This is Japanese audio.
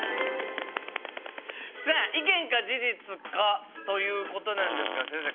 さあ意見か事実かということなんですが先生